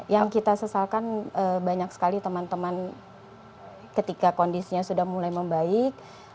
yang kita sesalkan banyak sekali teman teman ketika kondisinya sudah mulai membaik